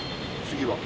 次は？